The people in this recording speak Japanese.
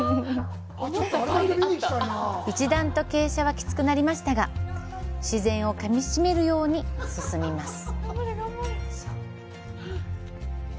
一段と傾斜はきつくなりましたが自然をかみしめるように進みます。